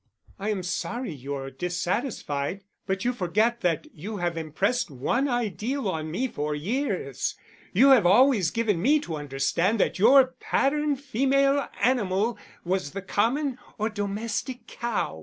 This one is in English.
"I am sorry you're dissatisfied. But you forget that you have impressed one ideal on me for years: you have always given me to understand that your pattern female animal was the common or domestic cow."